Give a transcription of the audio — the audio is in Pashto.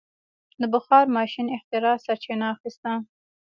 د بخار ماشین اختراع سرچینه اخیسته.